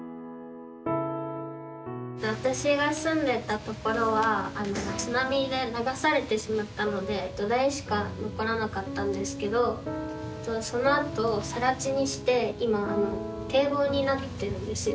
私が住んでたところは津波で流されてしまったので土台しか残らなかったんですけどそのあと更地にして今堤防になってるんですよ。